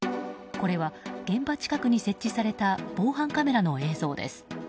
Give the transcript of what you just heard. これは現場近くに設置された防犯カメラの映像です。